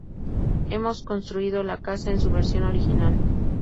Hemos reconstruido la casa en su versión original